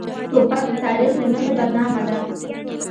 توپک د تاریخ له مخې بدنامه ده.